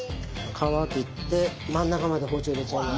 皮切って真ん中まで包丁入れちゃいます。